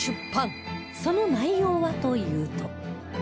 その内容はというと